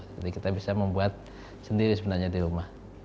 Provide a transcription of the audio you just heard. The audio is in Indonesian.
jadi kita bisa membuat sendiri sebenarnya di rumah